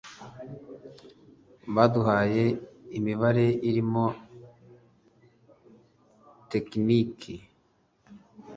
baduhaye imibare irimo tekiniki